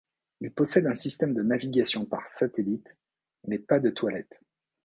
Ils possèdent un système de navigation par satellite, mais pas de toilette.